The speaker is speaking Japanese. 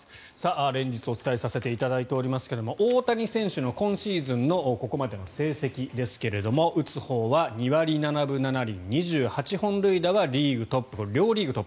連日お伝えさせていただいておりますが大谷選手の今シーズンのここまでの成績ですが打つほうは２割７分７厘２８本塁打は両リーグトップですね。